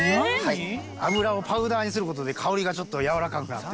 油をパウダーにする事で香りがちょっとやわらかくなって。